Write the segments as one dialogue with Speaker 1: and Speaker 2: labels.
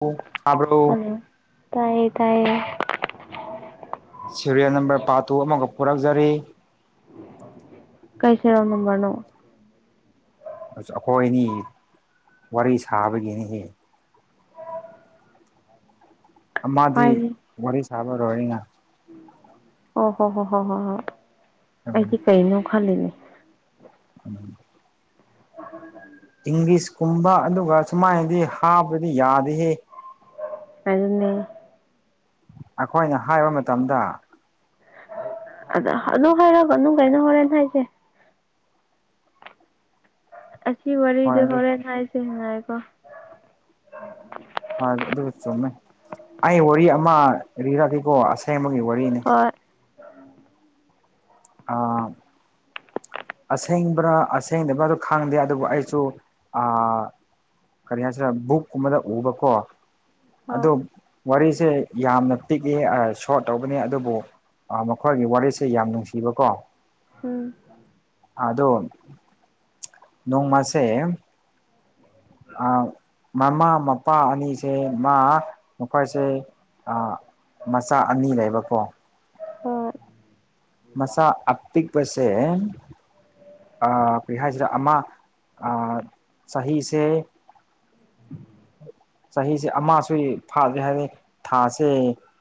Speaker 1: ꯑꯣ ꯇꯥꯕ꯭ꯔꯣ
Speaker 2: ꯍꯜꯂꯣ ꯇꯥꯏꯌꯦ ꯇꯥꯏꯌꯦ
Speaker 1: ꯁꯦꯔꯤꯌꯦꯜ ꯅꯝꯕꯔ ꯄꯥ ꯇꯨ ꯑꯃꯒ ꯄꯨꯔꯛꯖꯔꯤ
Speaker 2: ꯀꯩ ꯁꯤꯔ‌ꯦꯜ ꯅꯝꯕꯔꯅꯣ
Speaker 1: ꯑꯁ ꯑꯩꯈꯣꯏ ꯑꯅꯤ ꯋꯥꯔꯤ ꯁꯥꯕꯒꯤꯅꯤꯍꯦ ꯑꯃꯗꯤ
Speaker 2: ꯍꯥꯏꯒꯦ
Speaker 1: ꯋꯥꯔꯤ ꯁꯥꯕ ꯂ‌ꯣꯏꯌ‌ꯦꯅ
Speaker 2: ꯑꯣ ꯍꯣ ꯍꯣ ꯍꯣ ꯍꯣ ꯍꯣꯏ ꯑꯩꯗꯤ ꯀꯩꯅꯣ ꯈꯜꯂꯤꯅꯦ
Speaker 1: [unintelligible]
Speaker 2: [unintelligible]
Speaker 1: ꯏꯪꯂꯤꯁꯀꯨꯝꯕ ꯑꯗꯨꯒ ꯁꯨꯃꯥꯏꯅꯗꯤ ꯍꯥꯞꯄꯗꯤ ꯌꯥꯗꯦꯍꯦ
Speaker 2: ꯑꯗꯨꯅꯦ
Speaker 1: ꯑꯩꯈꯣꯏꯅ ꯍꯥꯏꯕ ꯃꯇꯝꯗ
Speaker 2: ꯑꯗ ꯍꯅ ꯍꯥꯏꯔꯛꯀꯅꯣ ꯀꯩꯅꯣ ꯍꯣꯔꯦꯟ ꯍꯥꯏꯁꯦ ꯁꯤ
Speaker 1: ꯍꯣꯏ
Speaker 2: ꯋꯥꯔꯤꯗꯤ
Speaker 1: ꯑꯗꯨ
Speaker 2: ꯍꯣꯔꯦꯟ ꯍꯥꯏꯁꯦ ꯉꯥꯏꯈꯣ
Speaker 1: ꯍ ꯑꯗꯨ ꯆꯨꯝꯃꯦ ꯑꯩ ꯋꯥꯔꯤ ꯑꯃ ꯂꯤꯔꯛꯒꯦꯀꯣ ꯑꯁꯦꯡꯕꯒꯤ ꯋꯥꯔꯤꯅꯤ
Speaker 2: ꯍꯣꯏ
Speaker 1: ꯑ ꯑꯁꯦꯡꯕ꯭ꯔꯥ ꯑꯁꯦꯡꯗꯕ꯭ꯔꯥ ꯈꯪꯗꯦ ꯑꯗꯨꯕꯨ ꯑꯩꯁꯨ ꯑꯥ ꯀꯔꯤ ꯍꯥꯏꯁꯤꯔ ꯕꯨꯛ ꯀꯨꯝꯕꯗ ꯎꯕꯀꯣ
Speaker 2: ꯍꯣꯏ
Speaker 1: ꯑꯗꯨꯝ ꯋꯥꯔꯤꯁꯦ ꯌꯥꯝꯅ ꯄꯤꯛꯏ ꯑꯥ ꯁꯣꯔꯠ ꯇꯧꯕꯅꯤ ꯑꯗꯨꯕꯨ ꯃꯈꯣꯏꯒꯤ ꯋꯥꯔꯤꯁꯦ ꯌꯥꯝ ꯅꯨꯡꯁꯤꯕꯀꯣ
Speaker 2: ꯎꯝ
Speaker 1: ꯑ ꯑꯗꯣ ꯅꯣꯡꯃꯁꯦ ꯑꯥ ꯃꯃꯥ ꯃꯄꯥ ꯑꯅꯤꯁꯦ ꯃꯥ ꯃꯈꯣꯏꯁꯦ ꯃꯆꯥ ꯑꯅꯤ ꯂꯩꯕꯀꯣ
Speaker 2: ꯍꯣꯏ
Speaker 1: ꯃꯁꯥ ꯑꯄꯤꯛꯄꯁꯦ ꯑꯥ ꯀꯔꯤ ꯍꯥꯏꯁꯤꯔ ꯑꯃ ꯆꯍꯤꯁꯦ ꯆꯍꯤꯁꯦ ꯑꯃꯁꯨ ꯐꯥꯗ꯭ꯔꯤ ꯍꯥꯏꯗꯤ ꯊꯥꯁꯦ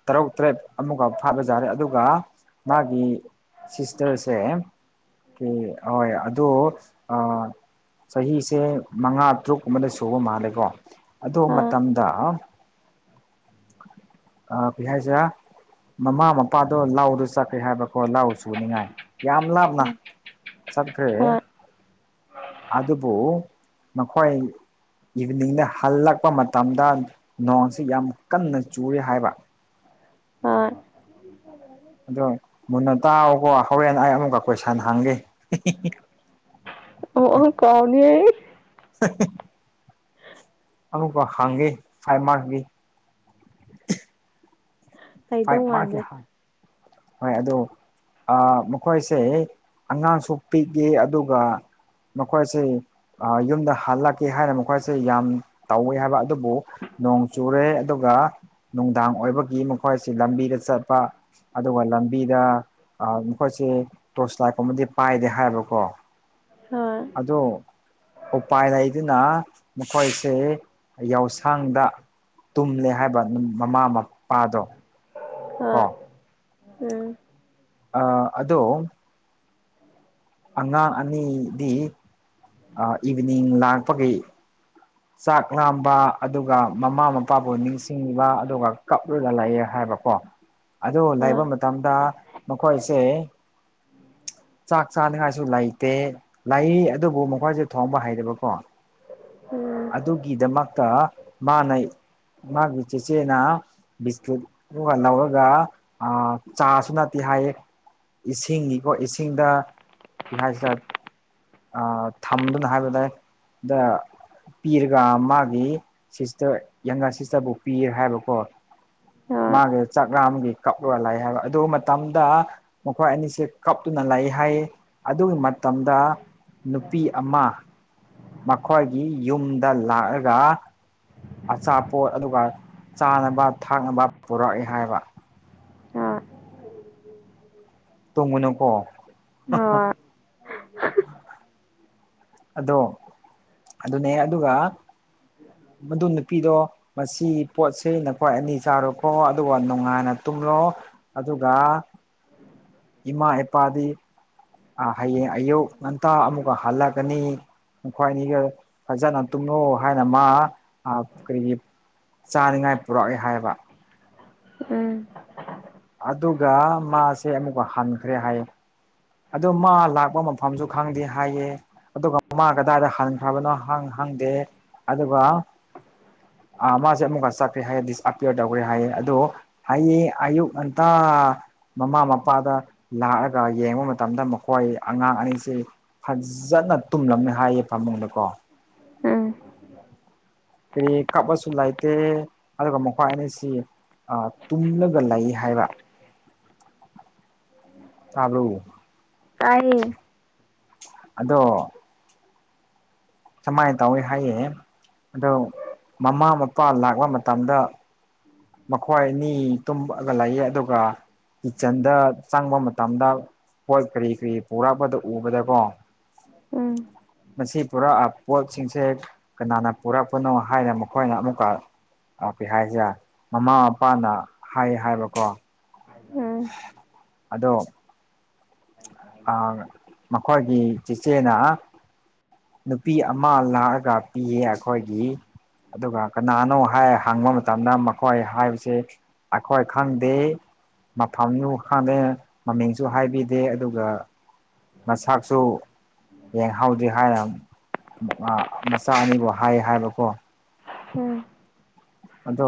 Speaker 1: ꯇꯔꯨꯛ ꯇꯔꯦꯠ ꯑꯃꯒ ꯐꯥꯕ ꯌꯥꯔꯦ ꯑꯗꯨꯒ ꯃꯥꯒꯤ ꯁꯤꯁꯇꯔꯁꯦ ꯍꯣꯏ ꯑꯗꯣ ꯑꯥ ꯆꯍꯤꯁꯦ ꯃꯉꯥ ꯇꯔꯨꯛꯀꯨꯝꯕꯗ ꯁꯨꯕ ꯃꯥꯜꯂꯦꯀꯣ ꯑꯗꯨ
Speaker 2: ꯍꯣꯏ
Speaker 1: ꯃꯇꯝꯗ ꯑꯥ ꯀꯩ ꯍꯥꯏꯁꯤꯔ ꯃꯃꯥ ꯃꯄꯥꯗꯣ ꯂꯥꯎꯗꯣ ꯆꯠꯈꯔꯦ ꯍꯥꯏꯕꯀꯣ ꯂꯥꯎ ꯁꯨꯅꯤꯡꯉꯥꯏ ꯌꯥꯝ ꯂꯞꯅ
Speaker 2: ꯎꯝ
Speaker 1: ꯆꯠꯈꯔꯦ
Speaker 2: ꯍꯣꯏ
Speaker 1: ꯑꯗꯨꯕꯨ ꯃꯈꯣꯏ ꯏꯚꯤꯅꯤꯡꯗ ꯍꯜꯂꯛꯄ ꯃꯇꯝꯗ ꯅꯣꯡꯁꯤ ꯌꯥꯝ ꯀꯟꯅ ꯆꯨꯔꯦ ꯍꯥꯏꯕ
Speaker 2: ꯍꯣꯏ
Speaker 1: ꯑꯗꯣ ꯃꯨꯟꯅ ꯇꯥꯎꯑꯣꯀꯣ ꯍꯣꯔꯦꯟ ꯑꯩ ꯑꯃꯨꯛꯀ ꯀꯣꯏ ꯁꯟ ꯍꯥꯡꯒꯦ
Speaker 2: ꯑꯣ ꯑꯣ ꯀꯥꯎꯅꯤ
Speaker 1: ꯑꯗꯨꯀꯣ ꯍꯥꯡꯒꯦ ꯐꯥꯏꯚ ꯃꯥꯛꯒꯤ ꯐꯏꯞ
Speaker 2: ꯍꯩꯗꯧ
Speaker 1: ꯃꯥꯛ ꯀꯤ
Speaker 2: ꯃꯥꯟꯗꯦ
Speaker 1: ꯍꯡ ꯍꯣꯏ ꯑꯗꯣ ꯃꯈꯣꯏꯁꯦ ꯑꯉꯥꯡꯁꯨ ꯄꯤꯛꯏ ꯑꯗꯨꯒ ꯃꯈꯣꯏꯁꯦ ꯌꯨꯝꯗ ꯍꯜꯂꯛꯀꯦ ꯍꯥꯏꯅ ꯃꯈꯣꯏꯁꯦ ꯌꯥꯝ ꯇꯧꯋꯦ ꯍꯥꯏꯕ ꯑꯗꯨꯕꯨ ꯅꯣꯡ ꯆꯨꯔꯦ ꯑꯗꯨꯒ ꯅꯨꯡꯗꯥꯡ ꯑꯣꯏꯕꯒꯤ ꯃꯈꯣꯏꯁꯤ ꯂꯝꯕꯤꯗ ꯆꯠꯄ ꯑꯗꯨꯒ ꯂꯝꯕꯤꯗ ꯑ ꯃꯈꯣꯏꯁꯦ ꯇꯣꯁ ꯂꯥꯏꯠ ꯀꯨꯝꯕꯗꯤ ꯄꯥꯏꯗꯦ ꯍꯥꯏꯕꯀꯣ
Speaker 2: ꯍꯣꯏ
Speaker 1: ꯑꯗꯣ ꯎꯄꯥꯏ ꯂꯩꯗꯨꯅ ꯃꯈꯣꯏꯁꯦ ꯌꯥꯎꯁꯪꯗ ꯇꯨꯝꯂꯦ ꯍꯥꯏꯕ ꯃꯃꯥ ꯃꯄꯥꯗꯣ
Speaker 2: ꯑ
Speaker 1: ꯀꯣ
Speaker 2: ꯎꯝ
Speaker 1: ꯑ ꯑꯗꯣ ꯑꯉꯥꯡ ꯑꯅꯤꯗꯤ ꯏꯚꯤꯅꯤꯡ ꯂꯥꯛꯄꯒꯤ ꯆꯥꯛ ꯂꯥꯝꯕ ꯑꯗꯨꯒ ꯃꯃꯥ ꯃꯄꯥꯕꯨ ꯅꯤꯡꯁꯤꯡꯕ ꯑꯗꯨꯒ ꯀꯞꯔꯒ ꯂꯩꯌꯦ ꯍꯥꯏꯕꯀꯣ ꯑꯗꯨ
Speaker 2: ꯍꯣꯏ
Speaker 1: ꯂꯩꯕ ꯃꯇꯝꯗ ꯃꯈꯣꯏꯁꯦ ꯆꯥꯛ ꯆꯥꯅꯤꯡꯉꯥꯏꯁꯨ ꯂꯩꯇꯦ ꯂꯩ ꯑꯗꯨꯕꯨ ꯃꯈꯣꯏꯁꯨ ꯊꯣꯡꯕ ꯍꯩꯗꯕꯀꯣ
Speaker 2: ꯎꯝ
Speaker 1: ꯑꯗꯨꯒꯤꯗꯃꯛꯇ ꯃꯥꯅ ꯃꯥꯒꯤ ꯆꯦꯆꯦꯅ ꯕꯤꯁꯀꯨꯠ ꯑꯗꯨꯒ ꯂꯧꯔꯒ ꯆꯥꯁꯨ ꯅꯠꯇꯦ ꯍꯥꯏꯌꯦ ꯏꯁꯤꯡꯅꯤꯀꯣ ꯏꯁꯤꯡꯗ ꯍꯥꯏꯁꯤꯗ ꯊꯝꯗꯨꯅ ꯍꯥꯏꯕꯗꯏ ꯑꯗ ꯄꯤꯔꯒ ꯃꯥꯒꯤ ꯁꯤꯁꯇꯔ ꯌꯥꯒꯥꯥꯟ ꯁꯤꯁꯇꯔꯕꯨ ꯄꯤꯔꯦ ꯍꯥꯏꯕꯀꯣ ꯃꯥꯒꯤ ꯆꯥꯛꯂꯥꯝꯒꯤ ꯀꯞꯂ ꯂꯛꯑꯦ ꯍꯥꯏꯕ ꯑꯗꯨ ꯃꯇꯝꯗ ꯃꯈꯣꯏ ꯑꯅꯤꯁꯦ ꯀꯞꯇꯨꯅ ꯂꯥꯛꯑꯦ ꯍꯥꯏ ꯑꯗꯨꯒꯤ ꯃꯇꯝꯗ ꯅꯨꯄꯤ ꯑꯃ ꯃꯈꯣꯏꯒꯤ ꯌꯨꯝꯗ ꯂꯥꯛꯑꯒ ꯑꯆꯥꯄꯣꯠ ꯑꯗꯨꯒ ꯆꯥꯅꯕ ꯊꯛꯅꯕ ꯄꯨꯔꯛꯑ ꯍꯥꯏꯕ
Speaker 2: ꯍꯣꯏ
Speaker 1: ꯇꯣꯡꯒꯉꯨꯀꯣ
Speaker 2: ꯍꯣꯢ
Speaker 1: ꯑꯗꯣ ꯑꯗꯨꯅꯦ ꯑꯗꯨꯒ ꯃꯗꯨ ꯅꯨꯄꯤꯗꯣ ꯃꯁꯤ ꯄꯣꯠꯁꯦ ꯅꯈ꯭ꯣꯏ ꯑꯅꯤ ꯆꯥꯔꯣꯀꯣ ꯑꯗꯨꯒ ꯅꯨꯡꯉꯥꯏꯅ ꯇꯨꯝꯂꯣ ꯑꯗꯨꯒ ꯏꯃꯥ ꯏꯄꯥꯗꯤ ꯑ ꯍꯌꯦꯡ ꯑꯌꯨꯛ ꯉꯟꯇ ꯑꯃꯨꯛꯀ ꯍꯜꯂꯛꯒꯅꯤ ꯈ꯭ꯋꯥꯏꯅꯤꯒ ꯐꯖꯅ ꯇꯨꯝꯂꯣ ꯍꯥꯏꯅ ꯃꯥ ꯀꯔꯤꯒꯤ ꯆꯥꯅꯤꯡꯉꯥꯏ ꯄꯨꯔꯛꯑ ꯍꯥꯏꯕ
Speaker 2: ꯎꯝ
Speaker 1: ꯑꯗꯨꯒ ꯃꯥꯁꯦ ꯑꯃꯨꯛꯀ ꯍꯟꯈ꯭ꯔꯦ ꯍꯥꯏꯌꯦ ꯑꯗꯣ ꯃꯥ ꯂꯥꯛꯄ ꯃꯐꯝꯁꯨ ꯈꯪꯗꯦ ꯍꯥꯏꯌꯦ ꯑꯗꯨꯒ ꯃꯃꯥ ꯀꯗꯥꯏꯗ ꯍꯟꯈ꯭ꯔꯕꯅꯣ ꯍꯪ ꯍꯪꯗꯦ ꯑꯗꯨꯒ ꯃꯥꯁꯦ ꯑꯃꯨꯛꯀ ꯆꯠ꯭ꯔꯦ ꯍꯥꯏꯌꯦ ꯗꯤꯁꯑꯄꯤꯌꯔ ꯇꯧꯈ꯭ꯔꯦ ꯍꯥꯏꯌꯦ ꯑꯗꯣ ꯍꯌꯦꯡ ꯑꯌꯨꯛ ꯉꯟꯇꯥ ꯃꯃꯥ ꯃꯄꯥꯗ ꯂꯥꯛꯑꯒ ꯌꯦꯡꯕ ꯃꯇꯝꯗ ꯃꯈꯣꯏ ꯑꯉꯥꯡ ꯑꯅꯤꯁꯀꯦ ꯐꯖꯅ ꯇꯨꯝꯂꯝꯃꯦ ꯍꯥꯏꯌꯦ ꯐꯃꯨꯡꯗ ꯀꯣ
Speaker 2: ꯎꯝ
Speaker 1: ꯀꯔꯤ ꯀꯞꯄꯁꯨ ꯂꯩꯇꯦ ꯑꯗꯨꯒ ꯃꯈꯣꯏ ꯑꯅꯤꯁꯤ ꯑ ꯇꯨꯝꯂꯒ ꯂꯩ ꯍꯥꯏꯕ ꯇꯕ꯭ꯔꯣ
Speaker 2: ꯇꯥꯏꯌꯦ
Speaker 1: ꯑꯗꯣ ꯁꯨꯃꯥꯏꯅ ꯇꯧꯋꯦ ꯍꯥꯏꯌꯦ ꯑꯗꯣ ꯃꯃꯥ ꯃꯄꯥ ꯂꯥꯛꯄ ꯃꯇꯝꯗ ꯃꯈꯣꯏ ꯑꯅꯤ ꯇꯨꯝꯑꯒ ꯂꯩꯌꯦ ꯑꯗꯨꯒ ꯀꯤꯠꯆꯟꯗ ꯆꯪꯕ ꯃꯇꯝꯗ ꯄꯣꯠ ꯀꯔꯤ ꯀꯔꯤ ꯄꯨꯔꯛꯄꯗ ꯎꯕꯗꯀꯣ
Speaker 2: ꯎꯝ
Speaker 1: ꯃꯁꯤ ꯄꯨꯔꯛꯑ ꯄꯣꯠꯁꯤꯡꯁꯦ ꯀꯅꯥꯅ ꯄꯨꯔꯛꯄꯅꯣ ꯍꯥꯏꯅ ꯃꯈꯣꯏꯅ ꯑꯃꯨꯛꯀ ꯀꯩꯍꯥꯏꯖꯤꯔꯦ ꯃꯃꯥ ꯃꯄꯥꯅ ꯍꯥꯏ ꯍꯥꯏꯕꯀꯣ
Speaker 2: ꯎꯝ
Speaker 1: ꯑꯗꯣ ꯑꯥ ꯃꯈꯣꯏꯒꯤ ꯆꯦꯆꯦꯅ ꯅꯨꯄꯤ ꯑꯃ ꯂꯥꯛꯑꯒ ꯄꯤꯌꯦ ꯑꯩꯈꯣꯏꯒꯤ ꯑꯗꯨꯒ ꯀꯅꯥꯅꯣ ꯍꯥꯏ ꯍꯪꯕ ꯃꯇꯝꯗ ꯃꯈꯣꯏ ꯍꯥꯏꯕꯁꯦ ꯑꯩꯈꯣꯏ ꯈꯪꯗꯦ ꯃꯐꯝꯗꯨ ꯈꯪꯗꯦ ꯃꯃꯤꯡꯁꯨ ꯍꯥꯏꯕꯤꯗꯦ ꯑꯗꯨꯒ ꯃꯁꯥꯛꯁꯨ ꯌꯦꯡꯍꯥꯎꯗꯦ ꯍꯥꯏꯅ ꯃꯆꯥ ꯑꯅꯤꯕꯨ ꯍꯥꯏ ꯍꯥꯏꯕꯀꯣ
Speaker 2: ꯎꯝ
Speaker 1: ꯑꯗꯣ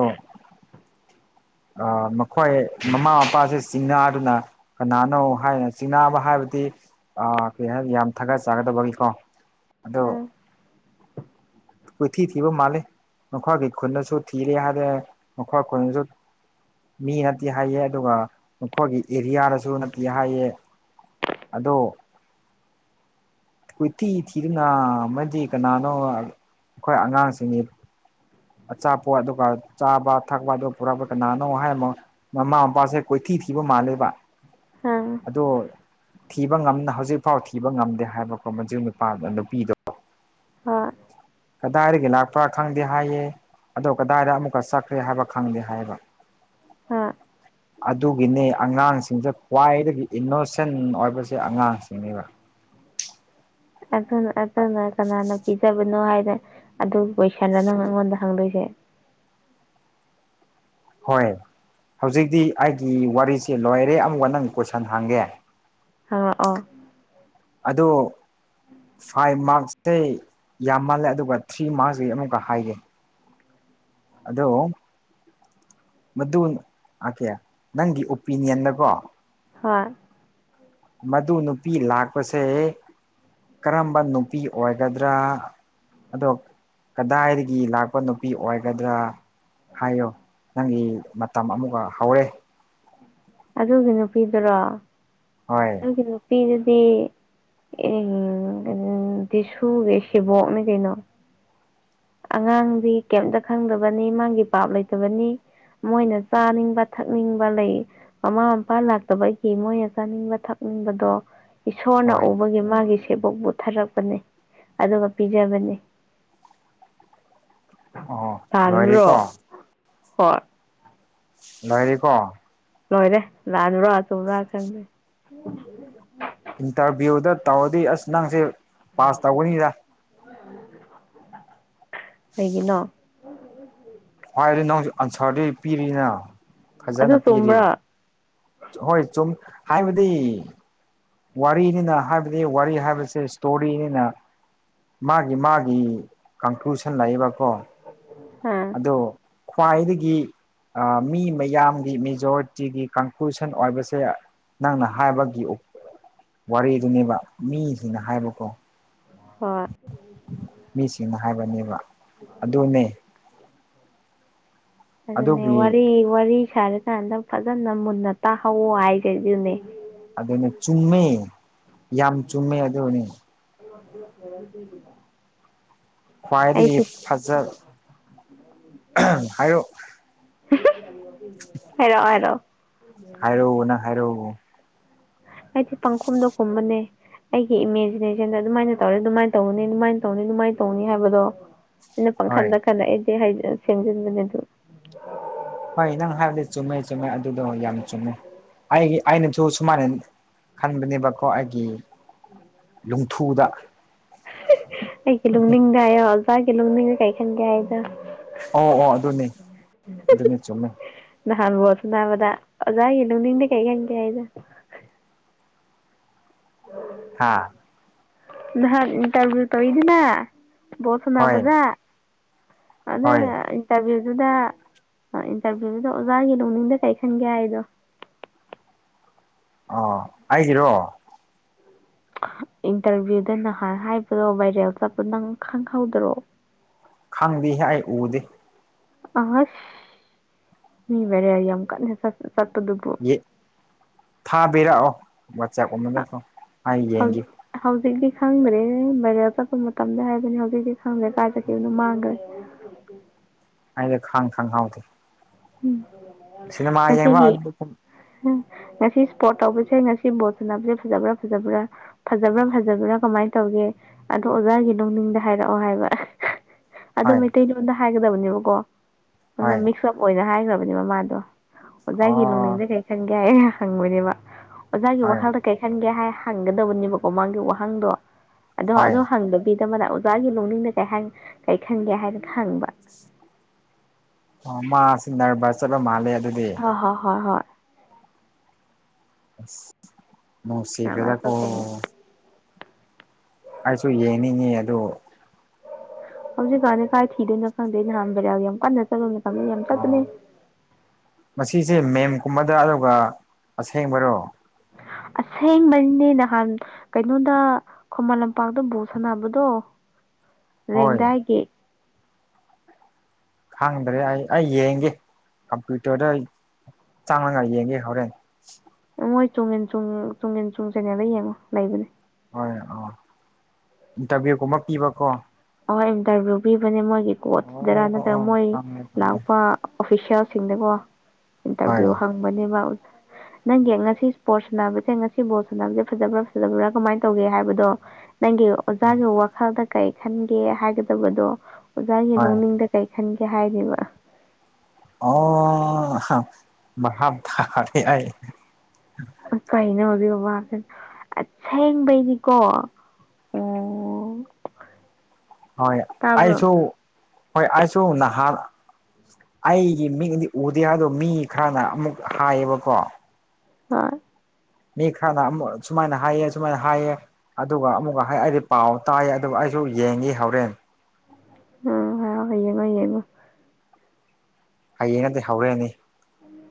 Speaker 1: ꯑ ꯃꯈꯣꯏ ꯃꯃꯥ ꯃꯄꯥꯁꯦ ꯆꯤꯡꯅꯥꯗꯨꯅ ꯀꯅꯥꯅꯣ ꯍꯥꯏꯅ ꯆꯤꯡꯅꯥꯕ ꯍꯥꯏꯕꯗꯤ ꯑ ꯀꯩ ꯍꯥꯏꯅꯤ ꯌꯥꯝ ꯊꯥꯒꯠꯆꯥꯒꯗꯧꯕꯒꯤꯀꯣ ꯑꯣ
Speaker 2: ꯎꯝ
Speaker 1: ꯀꯣꯏꯊꯤ ꯊꯤꯕ ꯃꯥꯜꯂꯤ ꯃꯈꯣꯏꯒꯤ ꯈꯨꯅꯁꯨ ꯊꯤꯔꯦ ꯍꯥꯏꯔꯦ ꯃꯈꯣꯏ ꯈꯨꯟꯅꯁꯨ ꯃꯤ ꯅꯠꯇꯦ ꯍꯥꯏꯌꯦ ꯑꯗꯨꯒ ꯃꯈꯣꯏꯒꯤ ꯑꯦꯔꯤꯌꯥꯗꯁꯨ ꯅꯠꯇꯦ ꯍꯥꯏꯌꯦ ꯑꯗꯣ ꯀꯠꯇꯤ ꯆꯤꯔꯅ ꯃꯃꯦꯗꯤ ꯀꯅꯥꯅꯣ ꯑꯩꯈꯣꯏ ꯑꯉꯥꯡꯁꯤꯡꯅꯤ ꯑꯆꯥꯄꯣꯠ ꯑꯗꯨꯒ ꯆꯥꯕ ꯊꯛꯄ ꯑꯗꯨꯒ ꯄꯨꯔ ꯀꯅꯥꯅꯣ ꯍꯥꯏꯔꯃꯣ ꯃꯃꯥ ꯃꯄꯥꯁꯦ ꯀꯣꯏꯊꯤ ꯊꯤꯕ ꯃꯥꯜꯂꯦꯕ
Speaker 2: ꯑꯝ
Speaker 1: ꯑꯗꯣ ꯊꯤꯕ ꯉꯝꯅ ꯍꯧꯖꯤꯛꯐꯥꯎ ꯊꯤꯕ ꯉꯝꯗꯦ ꯍꯥꯏꯕꯀꯣ ꯃ ꯅꯨꯄꯥ ꯅꯨꯄꯤꯗꯣ
Speaker 2: ꯑꯥ
Speaker 1: ꯀꯗꯥꯏꯗꯒꯤ ꯂꯥꯛꯄ꯭ꯔꯥ ꯈꯪꯗꯦ ꯍꯥꯏꯌꯦꯦ ꯑꯗꯣ ꯀꯗꯥꯏꯗ ꯑꯃꯨꯛꯀ ꯆꯠꯈ꯭ꯔꯦ ꯍꯥꯏꯕ ꯈꯪꯗꯦ ꯍꯥꯏꯕ
Speaker 2: ꯍꯥꯥ
Speaker 1: [inaudible] ꯑꯗꯨꯒꯤꯅꯦ ꯑꯉꯥꯡꯁꯤꯡꯁꯦ ꯈ꯭ꯋꯥꯏꯗꯒꯤ ꯏꯅꯣꯁꯦꯟ ꯑꯣꯏꯕꯁꯦ ꯑꯉꯥꯡꯁꯤꯡꯅꯦꯕ
Speaker 2: ꯑꯅ ꯀꯅꯥꯅ ꯄꯤꯖꯕꯅꯣ ꯍꯥꯏꯅ ꯑꯗꯨ ꯀꯣꯏꯁꯟꯂ ꯅꯪ ꯑꯩꯉꯣꯟꯗ ꯍꯪꯗꯣꯏꯁꯦ
Speaker 1: ꯍꯣꯏ ꯍꯧꯖꯤꯛꯇꯤ ꯑꯩꯒꯤ ꯋꯥꯔꯤꯁꯦ ꯂꯣꯏꯔꯦ ꯑꯃꯨꯛꯀ ꯅꯪ ꯀꯣꯏꯁꯟ ꯍꯥꯡꯒꯦ
Speaker 2: ꯍꯥꯥ ꯑ
Speaker 1: ꯑꯗꯣ ꯐꯥꯏꯚ ꯃꯥꯔꯛꯁꯁꯦ ꯌꯥꯝ ꯃꯥꯜꯂꯦ ꯑꯗꯨꯒ ꯊ꯭ꯔꯤ ꯃꯥꯔꯛꯁꯀꯤ ꯑꯃꯨꯛꯀ ꯍꯥꯏꯒꯦ ꯑꯗꯣ ꯃꯗꯨꯀꯦ ꯅꯪꯒꯤ ꯑꯣꯄꯤꯅꯤꯌꯟꯗꯀꯣ
Speaker 2: ꯍꯣꯏ
Speaker 1: ꯃꯗꯨ ꯅꯨꯄꯤ ꯂꯥꯛꯄꯁꯦ ꯀꯔꯝꯕ ꯅꯨꯄꯤ ꯑꯣꯏꯒꯗ꯭ꯔꯥ ꯑꯗꯣ ꯀꯗꯥꯏꯗꯒꯤ ꯂꯥꯛꯄ ꯅꯨꯄꯤ ꯑꯣꯏꯒꯗ꯭ꯔꯥ ꯍꯥꯏꯌꯣ ꯅꯪꯒꯤ ꯃꯇꯝ ꯑꯃꯨꯛꯒ ꯍꯧꯔꯦ
Speaker 2: ꯑꯗꯨꯒꯤ ꯅꯨꯄꯤꯗꯨꯔꯣ
Speaker 1: ꯍ
Speaker 2: ꯑꯗꯨꯒꯤ ꯅꯨꯄꯤꯗꯨꯗꯤ ꯑꯦ ꯑꯗꯨꯗꯤ ꯁꯨꯒꯦ ꯁꯤꯦꯕꯣꯛꯝꯃꯦ ꯀꯩꯅꯣ ꯑꯉꯥꯡꯗꯤ ꯀꯩꯝꯇ ꯈꯪꯗꯕꯅꯤ ꯃꯥꯥꯡꯒꯤ ꯄꯥꯞ ꯂꯩꯇꯕꯅꯤ ꯃꯣꯏꯅ ꯆꯥꯅꯤꯡꯕ ꯊꯛꯅꯤꯡꯕ ꯂꯩ ꯃꯃꯥ ꯃꯄꯥ ꯂꯥꯛꯇꯕꯒꯤ ꯃꯣꯏꯅ ꯆꯥꯅꯤꯡꯕ ꯊꯛꯅꯤꯡꯕꯗꯣ ꯏꯁꯣꯔꯅ
Speaker 1: ꯍꯣꯏ
Speaker 2: ꯎꯕꯒꯤ ꯃꯥꯒꯤ ꯁꯦꯕꯣꯛꯄꯨ ꯊꯥꯔꯛꯄꯅꯦ ꯑꯗꯨꯒ ꯄꯤꯖꯕꯅꯤ
Speaker 1: ꯑꯣ
Speaker 2: ꯇꯥꯜ꯭ꯔꯣ
Speaker 1: ꯂꯣꯏꯔꯦꯀꯣ
Speaker 2: ꯍ
Speaker 1: ꯅꯣꯏꯅꯤ ꯀꯣ
Speaker 2: ꯂꯣꯏꯔꯦ ꯂꯥꯜꯂꯨꯔꯣ ꯑꯆꯨꯔꯥ ꯈꯪꯗꯦ
Speaker 1: ꯏꯟꯇꯔꯚꯤꯌꯨꯗ ꯇꯧꯔꯗꯤ ꯑꯁ ꯅꯪꯁꯦ ꯄꯥꯁ ꯇꯧꯒꯅꯤꯗ
Speaker 2: ꯑꯩꯒꯤ ꯅ
Speaker 1: ꯍꯣꯏ ꯑꯗꯨ ꯅꯪꯁꯨ ꯑꯟꯁꯔꯗꯨ ꯄꯤꯔꯤꯅ
Speaker 2: ꯑꯗꯨ
Speaker 1: ꯐꯖꯅ ꯄꯤꯔꯤ
Speaker 2: ꯆꯨꯝꯕ꯭ꯔꯣ
Speaker 1: ꯍꯣꯏ ꯆꯨꯝ ꯍꯥꯏꯕꯗꯤ ꯋꯥꯔꯤꯅꯤꯅ ꯍꯥꯏꯕꯗꯤ ꯋꯥꯔꯤ ꯍꯥꯏꯕꯁꯦ ꯏꯁꯇꯣꯔꯤꯅꯤꯅ ꯃꯥꯒꯤ ꯃꯥꯒꯤ ꯀꯟꯀ꯭ꯂꯨꯁꯟ ꯂꯏꯕꯀꯣ
Speaker 2: ꯑꯥ
Speaker 1: ꯑꯗꯣ ꯈ꯭ꯋꯥꯏꯗꯒꯤ ꯃꯤ ꯃꯌꯥꯝꯒꯤ ꯃꯦꯖꯣꯔꯤꯇꯤꯒꯤ ꯀꯟꯀ꯭ꯂꯨꯁꯟ ꯑꯣꯏꯕꯁꯦ ꯅꯪꯅ ꯍꯥꯏꯕꯒꯤ ꯋꯥꯔꯤꯗꯨꯅꯦꯕ ꯃꯤꯁꯤꯡꯅ ꯍꯥꯏꯕꯀꯣ
Speaker 2: ꯍ
Speaker 1: ꯃꯤꯁꯤꯡꯅ ꯍꯥꯏꯕꯅꯦꯕ ꯑꯗꯨꯅꯦ
Speaker 2: ꯑꯗꯨꯅꯦ
Speaker 1: ꯑꯗꯨꯒꯤ
Speaker 2: ꯋꯥꯔꯤ ꯋꯥꯔꯤ ꯁꯥꯔꯀꯥꯟꯗ ꯐꯖꯅ ꯃꯨꯟꯅ ꯇꯥꯍꯧꯋ ꯍꯥꯏꯈꯗꯨꯅꯦ
Speaker 1: ꯑꯗꯨꯅꯦ ꯆꯨꯝꯃꯦ ꯌꯥꯝ ꯆꯨꯝꯃꯦ ꯑꯗꯨꯅꯦ
Speaker 2: [unintelligible]
Speaker 1: ꯈ꯭ꯋꯥꯏꯗꯒꯤ
Speaker 2: ꯑꯩꯁꯨ
Speaker 1: ꯐꯖ ꯍꯥꯏꯌꯣ
Speaker 2: ꯍꯥꯏꯔꯣꯛ ꯍꯥꯏꯔꯣ
Speaker 1: ꯍꯥꯏꯔꯣ ꯅꯪ ꯍꯥꯏꯔꯣ
Speaker 2: ꯑꯩꯗꯤ ꯄꯥꯡꯈꯨꯝꯗ ꯈꯨꯝꯕꯅꯦ ꯑꯩꯒꯤ ꯏꯃꯦꯖꯤꯅꯦꯁꯟꯗ ꯑꯗꯨꯃꯥꯏꯅ ꯇꯧꯔꯦ ꯑꯗꯨꯃꯥꯏꯅ ꯇꯧꯒꯅꯤ ꯗꯨꯃꯥꯏꯅ ꯇꯧꯅꯤ ꯗꯨꯃꯥꯏꯅ ꯇꯧꯅꯤ ꯍꯥꯏꯕꯗꯣ ꯑꯩꯅ
Speaker 1: ꯍꯣꯏ
Speaker 2: ꯄꯥꯡꯈꯟꯗ ꯈꯟꯗ ꯑꯩꯗꯤ ꯁꯦꯝꯖꯤꯟꯕꯅꯦ ꯑꯗꯨ
Speaker 1: ꯍꯣꯏ ꯅꯪ ꯍꯥꯏꯕꯗꯣ ꯆꯨꯝꯃꯦ ꯆꯨꯝꯃꯦ ꯑꯗꯨꯗꯣ ꯌꯥꯝ ꯆꯨꯝꯃꯦ ꯑꯩꯒꯤ ꯑꯩꯅꯁꯨ ꯁꯨꯃꯥꯏꯅ ꯈꯟꯕꯅꯦꯕꯀꯣ ꯑꯩꯒꯤ
Speaker 2: [inaudible]
Speaker 1: ꯂꯨꯡꯊꯨꯗꯥ
Speaker 2: ꯑꯩꯒꯤ ꯂꯨꯝꯅꯤꯡꯗ ꯍꯥꯏꯌꯣ ꯑꯜꯀꯥꯒꯤ ꯂꯨꯝꯅꯤꯡ ꯀꯩ ꯈꯟꯒꯦ ꯍꯥꯏꯗꯣ
Speaker 1: ꯑꯣ ꯑꯣ ꯑꯗꯨꯅꯦ ꯑꯗꯨꯅꯤ ꯆꯨꯝꯃꯦ
Speaker 2: ꯅꯍꯥꯟ ꯕꯣꯜ ꯁꯥꯅꯕꯗ ꯑꯣꯖꯥꯒꯤ ꯂꯨꯡꯅꯤꯡꯗꯤ ꯀꯩ ꯍꯪꯒꯦ ꯍꯥꯢꯗꯣ
Speaker 1: ꯍꯥꯥ
Speaker 2: ꯅꯍꯥꯟ ꯏꯟꯇꯔꯚꯌꯨ ꯇꯧꯏꯗꯅ ꯕꯣꯜ
Speaker 1: ꯍꯣꯏ
Speaker 2: ꯁꯥꯟꯅꯕꯖꯦ [unintelligible]
Speaker 1: ꯍꯣꯏ
Speaker 2: ꯇꯔꯚꯤꯌꯨꯗꯨꯗ ꯏꯟꯇꯔꯚꯤꯌꯨꯗꯨꯗ ꯑꯣꯖꯥꯒꯤ ꯅꯣꯡꯅꯤꯡꯗ ꯀꯩ ꯈꯟꯒꯦ ꯍꯥꯏꯗꯣ
Speaker 1: ꯑ ꯑꯩꯒꯤꯔꯣ
Speaker 2: ꯏꯟꯇꯔꯚꯤꯌꯨꯗ ꯅꯍꯥꯟ ꯍꯥꯏꯕꯗꯣ ꯚꯥꯏꯔꯦꯜ ꯆꯠꯄ ꯅꯪ ꯈꯪꯍꯧꯗꯔꯣ
Speaker 1: ꯈꯪꯗꯦꯍꯦ ꯑꯩ ꯎꯗꯦ
Speaker 2: ꯑꯁ ꯃꯤ ꯚꯥꯏꯔꯦꯜ ꯌꯥꯝ ꯀꯟꯅ ꯆꯠꯄꯗꯨꯕꯨ
Speaker 1: ꯌꯦ ꯊꯥꯕꯤꯔꯛꯑꯣ ꯋꯥꯆꯦꯞ ꯀꯨꯝꯕꯗꯀꯣ ꯑꯩ ꯌꯦꯡꯒꯦ
Speaker 2: ꯍꯧꯖꯤꯛ ꯍꯧꯖꯤꯛꯇꯤ ꯈꯪꯗ꯭ꯔꯦ ꯚꯥꯏꯔꯦꯜ ꯆꯠꯄ ꯃꯇꯝꯗ ꯍꯥꯏꯕꯅꯦ ꯍꯧꯖꯤꯛꯇꯤ ꯈꯪꯗ꯭ꯔꯦ ꯀꯥꯏ ꯆꯠꯈꯤꯕꯅꯣ ꯃꯥꯡꯒꯔꯦ
Speaker 1: ꯑꯩꯅ ꯈꯥꯡ ꯈꯪꯍꯥꯎꯗꯦ
Speaker 2: ꯎꯝ
Speaker 1: ꯁꯤꯅꯦꯃꯥ ꯌꯦꯡꯕ ꯑꯗꯨ
Speaker 2: ꯎꯝ ꯉꯁꯤ ꯏꯁꯄꯣꯔꯠ ꯇꯧꯕꯁꯦ ꯉꯁꯤ ꯕꯣꯜ ꯁꯥꯟꯅꯕꯁꯦ ꯐꯖꯕ꯭ꯔꯥ ꯐꯖꯕ꯭ꯔꯥ ꯐꯖꯕ꯭ꯔꯥ ꯐꯖꯕ꯭ꯔꯥ ꯀꯃꯥꯏ ꯇꯧꯒꯦ ꯑꯗꯣ ꯑꯣꯖꯥꯒꯤ ꯅꯣꯡꯅꯤꯡꯗ ꯍꯥꯏꯔꯛꯑꯣ ꯍꯥꯏꯕ ꯑꯗꯨ
Speaker 1: ꯍꯣꯏ
Speaker 2: ꯃꯩꯇꯩꯂꯣꯟꯗ ꯍꯥꯏꯒꯗꯕꯅꯦꯕꯀꯣ ꯑꯗꯨ
Speaker 1: ꯍꯣꯏ
Speaker 2: ꯃꯤꯛꯁ ꯑꯞ ꯑꯣꯏꯅ ꯍꯥꯏꯒꯔꯕꯅꯦꯕ ꯃꯥꯗꯣ ꯑꯣꯖꯥꯒꯤ
Speaker 1: ꯑꯣ
Speaker 2: ꯂꯣꯡꯅꯤꯡꯗ ꯀꯩ ꯈꯟꯒꯦ ꯍꯥꯏ ꯍꯪꯕꯅꯦꯕ ꯑꯣꯖꯥꯒꯤ
Speaker 1: ꯍꯣꯏ
Speaker 2: ꯋꯥꯈꯜꯗ ꯀꯩ ꯈꯟꯒꯦ ꯍꯥꯏ ꯍꯪꯒꯗꯕꯅꯦꯕꯀꯣ ꯃꯥꯒꯤ ꯋꯥꯍꯪꯗꯣ ꯑꯗꯣ
Speaker 1: ꯍꯣꯏ
Speaker 2: ꯑꯗꯨ ꯍꯪꯗꯦ ꯕꯤꯗ ꯑꯃꯅ ꯑꯣꯖꯥꯒꯤ ꯂꯣꯡꯅꯤꯡꯗ ꯀꯩ ꯍꯥꯏ ꯀꯩ ꯈꯟꯒꯦ ꯍꯥꯏꯅ ꯍꯪꯕ
Speaker 1: ꯑꯥ ꯃꯥꯁꯦ ꯅꯔꯕꯁ ꯆꯠꯂ ꯃꯥꯂꯦ ꯑꯗꯨꯗꯤ
Speaker 2: ꯑ ꯍꯣꯏ ꯍꯣꯏ ꯍꯣꯏ
Speaker 1: ꯑꯁ
Speaker 2: ꯅꯥꯕ
Speaker 1: ꯅꯨꯡꯁꯤꯈꯔ꯭ꯦꯗꯀꯣ
Speaker 2: ꯆꯠꯇꯣꯏꯅꯦ
Speaker 1: ꯑꯩꯁꯨ ꯌꯦꯡꯅꯤꯡꯉꯤ ꯑꯗꯨ
Speaker 2: ꯍꯧꯖꯤꯛꯀꯥꯟꯗꯤ ꯀꯥꯏ ꯊꯤꯗꯣꯏꯅꯣ ꯈꯪꯗꯦ ꯅꯍꯥꯟ ꯕꯥꯏꯔꯦꯜ ꯌꯥꯝ ꯀꯟꯅ ꯆꯠꯄ ꯃꯇꯝꯗꯤ ꯌꯥꯝ ꯆꯠꯄꯅꯦ
Speaker 1: ꯃꯁꯤ ꯖꯦ ꯃꯦꯝ ꯀꯨꯝꯕꯗ ꯑꯗꯨꯒ ꯑꯁꯦꯡꯕꯔꯣ
Speaker 2: ꯑꯁꯦꯡꯕꯩꯅꯦ ꯅꯍꯥꯟ ꯀꯩꯅꯣꯗ ꯈꯨꯃꯟ ꯂꯝꯄꯥꯛꯇ ꯕꯣꯜ ꯁꯥꯟꯅꯕꯗꯣ
Speaker 1: [inaudible]
Speaker 2: ꯔꯦꯡꯗꯥꯏꯒꯤ
Speaker 1: ꯈꯥꯡꯗ꯭ꯔꯦ ꯑꯩ ꯑꯩ ꯌꯦꯡꯒꯦ ꯀꯝꯄ꯭ꯌꯨꯇꯔꯗ ꯆꯪꯔꯒ ꯌꯦꯡꯒꯦ ꯍꯣꯔꯦꯟ
Speaker 2: ꯃꯣꯏ ꯆꯨꯡꯉꯤꯟ ꯆꯨꯡ ꯆꯨꯡꯉꯤꯟ ꯆꯨꯡ ꯆꯦꯅꯦꯜꯗ ꯌꯦꯡꯉꯣ ꯂꯩꯕꯅꯦ
Speaker 1: ꯍꯣꯏ ꯑꯥ ꯏꯟꯇꯔꯚꯌꯨꯒꯨꯝꯕ ꯄꯤꯕꯀꯣ
Speaker 2: ꯍꯣꯏ ꯏꯟꯇꯔꯚꯤꯌꯨ ꯄꯤꯕꯅꯦ ꯃꯣꯏꯒꯤ ꯀꯣꯆꯗꯔꯥ
Speaker 1: ꯑꯣ
Speaker 2: ꯅꯠꯇ꯭ꯔ
Speaker 1: ꯑꯣ
Speaker 2: ꯃꯣꯏ
Speaker 1: ꯈꯪꯉꯦ ꯈꯪꯉꯦ
Speaker 2: ꯂꯥꯛꯄ ꯑꯣꯐꯤꯁꯦꯜꯁꯤꯡꯗꯀꯣ
Speaker 1: ꯍꯣꯏ
Speaker 2: ꯏꯟꯇꯔꯚꯤꯌꯨ ꯍꯪꯕꯅꯦꯕ ꯅꯪꯒꯤ ꯉꯁꯤ ꯏꯁꯄꯣꯔꯠꯁ ꯁꯥꯟꯅꯕꯁꯦ ꯉꯁꯤ ꯕꯣꯜ ꯁꯥꯟꯅꯕꯁꯦ ꯐꯖꯕ꯭ꯔꯥ ꯐꯖꯕ꯭ꯔꯥ ꯀꯃꯥꯏ ꯇꯧꯒꯦ ꯍꯥꯏꯕꯗꯣ ꯅꯪꯒꯤ ꯑꯣꯖꯥꯒꯤ ꯋꯥꯈꯜꯗ ꯀꯔꯤ ꯈꯟꯒꯦ ꯍꯥꯏꯒꯗꯕꯗꯣ ꯑꯣꯖꯥꯒꯤ
Speaker 1: ꯍꯣꯏ
Speaker 2: ꯂꯧꯅꯤꯡꯗ ꯀꯩ ꯈꯟꯒꯦ ꯍꯥꯏꯔꯤꯕ
Speaker 1: ꯑꯣ [unintelligible]
Speaker 2: ꯑ ꯀꯩꯅꯣ ꯍꯧꯖꯤꯛ ꯕꯕꯥꯁ ꯑꯁꯦꯡꯕꯩꯗꯤꯀꯣ ꯑꯣ ꯑꯣ
Speaker 1: ꯍꯣꯏ ꯑꯩꯁꯨ ꯍꯣꯏ ꯑꯩꯁꯨ ꯅꯍꯥꯥꯟ ꯑꯩꯒꯤ ꯃꯤꯗꯤ ꯎꯗꯤꯌꯥꯗꯣ ꯃꯤ ꯈꯔꯅ ꯑꯃꯨꯛ ꯍꯥꯏꯌꯦꯕꯀꯣ
Speaker 2: ꯍꯣꯏ
Speaker 1: ꯃꯤ ꯈꯔꯅ ꯑꯃꯨꯛ ꯁꯨꯃꯥꯏꯅ ꯍꯥꯏꯌꯦ ꯁꯨꯃꯥꯏꯅ ꯍꯥꯏꯌꯦ ꯑꯗꯨꯒ ꯑꯃꯨꯛꯀ ꯍꯥꯏ ꯑꯩꯗꯤ ꯄꯥꯎ ꯇꯥꯏ ꯑꯗꯨꯒ ꯑꯩꯁꯨ ꯌꯦꯡꯉꯤ ꯍꯣꯔꯦꯟ
Speaker 2: ꯎ ꯍ ꯍꯌꯦꯡꯉ ꯌꯦꯡꯉꯣ
Speaker 1: ꯍꯌꯦꯡꯩꯅꯗꯤ ꯍꯧꯔꯛꯑꯅꯤ
Speaker 2: ꯎꯝ